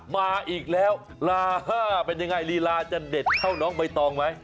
มาอีกแล้วลา๕เป็นยังไงลีลาจะเด็ดเท่าน้องใบตองไหม